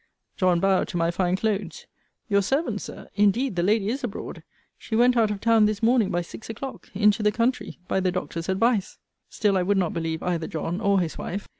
John bowed to my fine clothes: Your servant, Sir, indeed the lady is abroad. She went out of town this morning by six o'clock into the country by the doctor's advice. Still I would not believe either John or his wife.